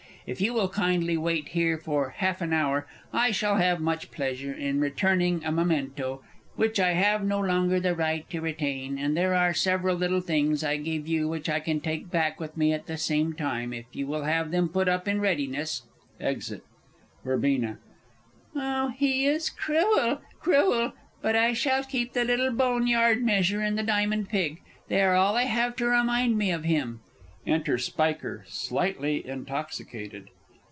If you will kindly wait here for half an hour, I shall have much pleasure in returning a memento which I have no longer the right to retain, and there are several little things I gave you which I can take back with me at the same time, if you will have them put up in readiness. [Exit. Verbena. Oh, he is cruel, cruel! but I shall keep the little bone yard measure, and the diamond pig they are all I have to remind me of him! Enter SPIKER, _slightly intoxicated.